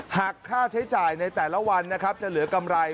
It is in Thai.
หากค่าใช้จ่ายในแต่ละวันนะครับจะเหลือกำไร